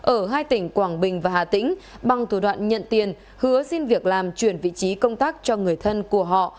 ở hai tỉnh quảng bình và hà tĩnh bằng thủ đoạn nhận tiền hứa xin việc làm chuyển vị trí công tác cho người thân của họ